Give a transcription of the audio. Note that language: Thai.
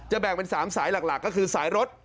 แบ่งเป็น๓สายหลักก็คือสายรถ